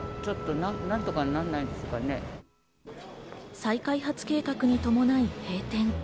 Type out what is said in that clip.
再開発計画に伴い、閉店。